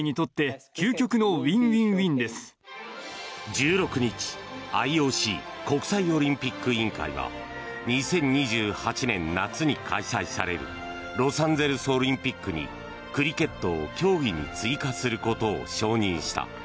１６日、ＩＯＣ・国際オリンピック委員会は２０２８年夏に開催されるロサンゼルスオリンピックにクリケットを競技に追加することを承認した。